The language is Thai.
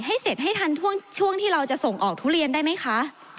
ให้เสร็จให้ทันช่วงที่เราจะส่งออกทุเรียนได้ไหมคะ